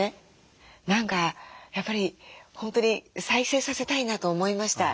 何かやっぱり本当に再生させたいなと思いました